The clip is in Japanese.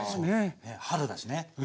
春だしね。